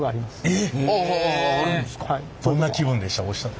どんな気分でした？